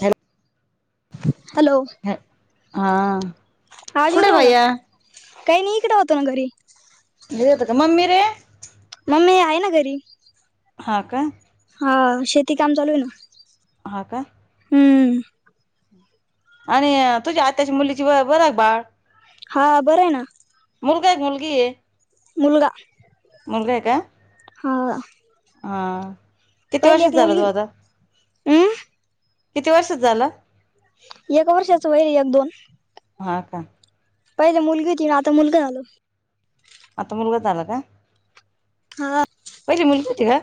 Hello. Hello. हॅ हा- आज येऊन कुठे राहिला, भैया काय नाही इकडे होतं ना घरी. मम्मी रे. मम्मी आहे ना घरी. हां का? हा शेती काम चालू आहे ना. ह का? हम्म. आणि तुझ्या आत्याच्या मुलीची बरं का बाळ? हा बरंय ना. मुलगाय का मुलगी ए? मुलगा मुलगाय का? हां आं हां किती वर्षाचा झालां तो मुलगी आंता हम्म किती वर्षाचा झालां एक वर्षाच होईल एक दोन हां कां पाहिले मुलंगी होती आंता मुलंगा झालंय आंता मुलंगा झालां कां हां पहिले मुलंगी होतीे कां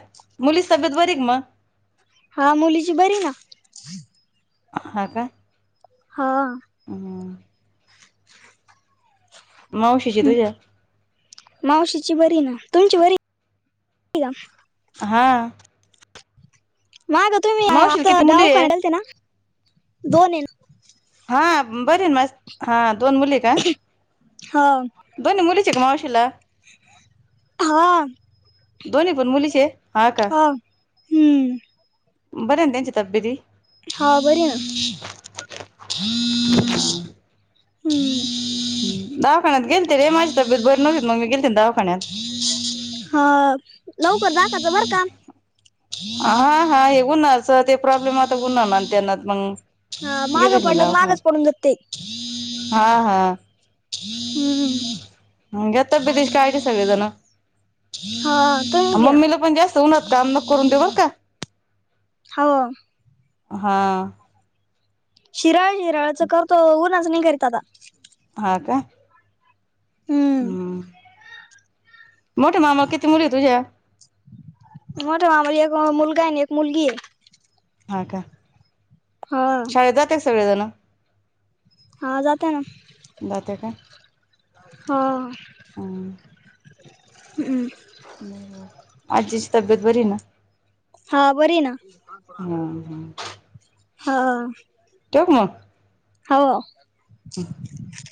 मूलीची तब्येत बरी हांय कां मगं हां मुलीची बरी आहे नां हां कायं हान हम्मं मावशीची तुझ्यां मावशीची बरी आहे नां तुमची बरी आहे कां हां मागं तुम्हीं मावशीला आंता किती मुली आहे दवाखान्यात गेलत्यांनां दोन ये हां बरे आहे माझी हां दोन मुली आहे कां हो दोन मुली चं आहे कां मावशीला हो दोन्ही पणं मुलीचे हायंत हां कान हं हम्मं बरी हांय नां त्यांची तब्येती हा बरी ना ख ख हम्म [inaudible] [unintelligible] दावाखान्यांत गेलंते रे माझी तब्येत मगं मी गेलंते नां दावाखान्यांत हं लवकरं दखायचं बरं कां हां हां हे बघायचं ते प्रॉब्लेम आंता ऊनंणांर त्यांना मगं हां मागं पडलं की मागंज पोडुंन जातंय ते हां हां हम्मं हां तब्यतीची काऴजी सगळेजणं हा तुम्ही घ्या मम्मीलां पणं जास्तं जास्तं ऊनांत कामं नको करूंन देऊंल बरं कां हो हां शिराळ शिराळचं करतो उन्हांच नाहीं करीत आंता हां कां हम्म हम्मं मोठे मामालां किती मुली आहे तुझ्यां मोठ मामा एक मुलंगा आहे ना एक मुलंगी आहे हां कां हा शाळेंत जातांत सगळें जणं हां जातां नां हां हम्म हुं आजीची तब्येत बरी हायं नां हां बरी हांय हा हा नां हां ठेऊं कां मगं हांव [inaudible]